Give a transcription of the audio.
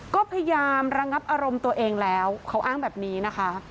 ก็พยายามระงับอารมณ์ตัวเองแล้วเขาอ้างแบบนี้นะคะ